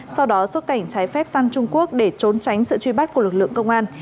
sau đó xuất cảnh trái phép sang trung quốc để trốn tránh sự truy bắt của lực lượng công an